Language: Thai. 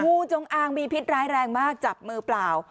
งูจงอางมีพิษร้ายแรงมากจับมือเปล่า